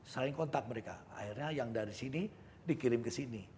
saling kontak mereka akhirnya yang dari sini dikirim ke sini